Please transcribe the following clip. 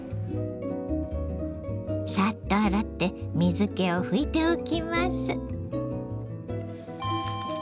さっと洗って水けをふいておきます。